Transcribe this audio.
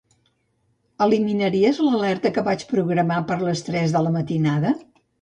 Eliminaries l'alerta que vaig programar per les tres de la matinada?